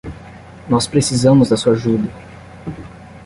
Nós precisamos da sua ajuda!